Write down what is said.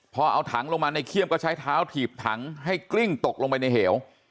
พอเอาถังลงมาในเขี้ยมก็ใช้เท้าถีบถังให้กลิ้งตกลงไปในเหว